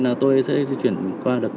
vậy là tôi sẽ di chuyển qua được